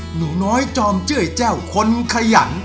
หนูน้อยจอมเจ้ยแจ้วคนขยัน